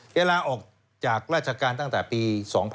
เวลาออกจากราชการตั้งแต่ปี๒๕๕๙